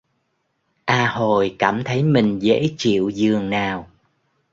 A hồi cảm thấy mình dễ chịu dường nào